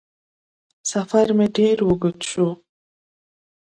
سفر مې ډېر اوږد شو